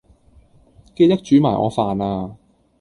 記得煮埋我飯呀